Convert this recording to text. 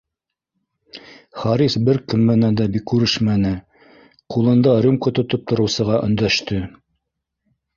Харис бер кем менән күрешмәне, ҡулында рюмка тотоп тороусыға өндәште: